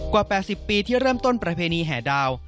กว่า๘๐ปีที่เริ่มต้นประเพณีแห่ดาว